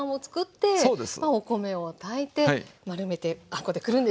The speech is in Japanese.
お米を炊いて丸めてあんこでくるんでいく。